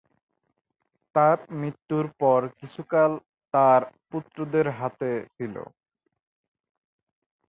তার মৃত্যুর পর কিছুকাল তার পুত্রদের হাতে ছিল।